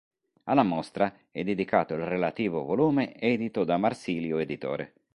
Alla mostra è dedicato il relativo volume edito da Marsilio Editore.